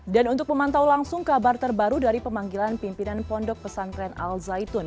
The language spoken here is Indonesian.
dan untuk pemantau langsung kabar terbaru dari pemanggilan pimpinan pondok pesan keren al zaitun